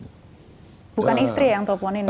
bukan istri ya yang teleponin ya